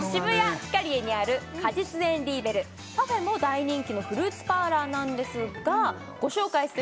ヒカリエにあるパフェも大人気のフルーツパーラーなんですがご紹介する